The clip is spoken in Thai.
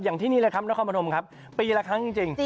ที่นี่เลยครับนครพนมครับปีละครั้งจริง